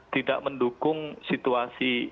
tidak mendukung situasi